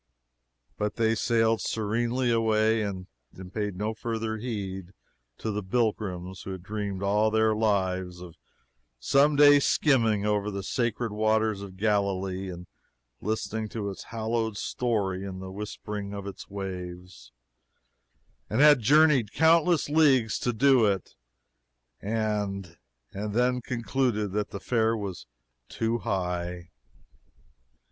But they sailed serenely away and paid no further heed to pilgrims who had dreamed all their lives of some day skimming over the sacred waters of Galilee and listening to its hallowed story in the whisperings of its waves, and had journeyed countless leagues to do it, and and then concluded that the fare was too high.